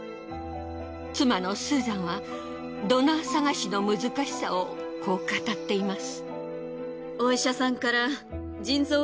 妻のスーザンはドナー探しの難しさをこう語っています。